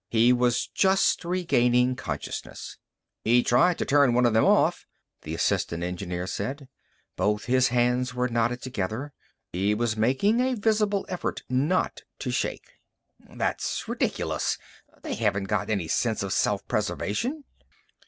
He was just regaining consciousness. "He tried to turn one of them off," the assistant engineer said. Both his hands were knotted together. He was making a visible effort not to shake. "That's ridiculous. They haven't got any sense of self preservation."